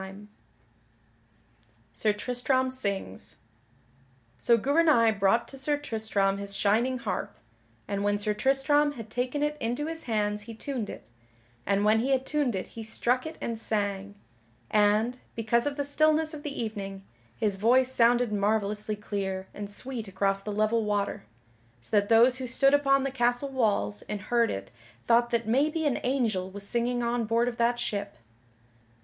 [Sidenote: Sir Tristram sings] So Gouvernail brought to Sir Tristram his shining harp, and when Sir Tristram had taken it into his hands he tuned it, and when he had tuned it he struck it and sang; and, because of the stillness of the evening, his voice sounded marvellously clear and sweet across the level water, so that those who stood upon the castle walls and heard it thought that maybe an angel was singing on board of that ship.